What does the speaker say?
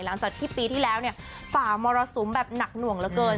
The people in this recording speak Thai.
หลังจากที่ปีที่แล้วเนี่ยฝ่ามรสุมแบบหนักหน่วงเหลือเกิน